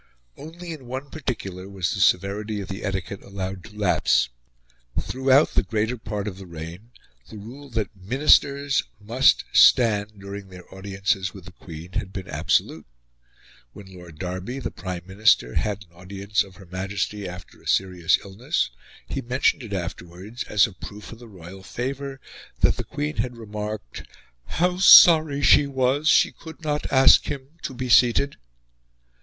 Only in one particular was the severity of the etiquette allowed to lapse. Throughout the greater part of the reign the rule that ministers must stand during their audiences with the Queen had been absolute. When Lord Derby, the Prime Minister, had an audience of Her Majesty after a serious illness, he mentioned it afterwards, as a proof of the royal favour, that the Queen had remarked "How sorry she was she could not ask him to be seated."